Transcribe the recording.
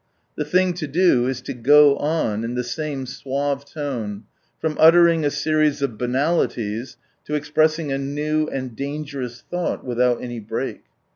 The thing to do is to go on, in the same suave tone, from uttering a series of banal ities ta expressing a new and dangerous thought, without any break.